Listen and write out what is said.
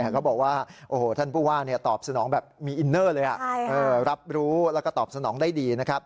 ท่านผู้ว่าตอบสนองแบบมีอินเนอร์เลยรับรู้แล้วก็ตอบสนองได้ดี